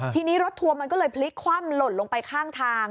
ทีนี้รถทัวร์มันก็เลยพลิกคว่ำหล่นลงไปข้างทาง